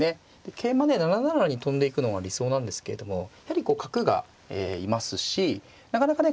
桂馬ね７七に跳んでいくのが理想なんですけれどもやはりこう角がいますしなかなかね